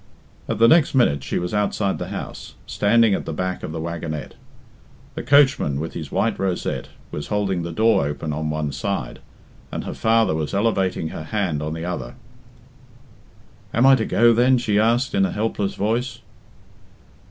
At the next minute she was outside the house, standing at the back of the wagonette. The coachman, with his white rosette, was holding the door open on one side, and her father was elevating her hand on the other. "Am I to go, then?" she asked in a helpless voice.